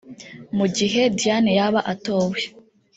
Mu gihe Diane yaba atowe